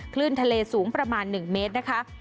คลื่นทะเลสูงประมาณ๑เมตรนะคะ